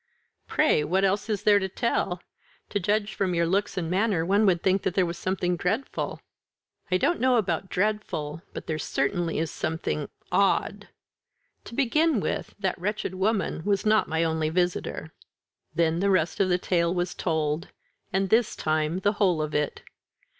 "Pray what else is there to tell? To judge from your looks and manner one would think that there was something dreadful." "I don't know about dreadful, but there certainly is something odd. To begin with, that wretched woman was not my only visitor." Then the rest of the tale was told and this time the whole of it.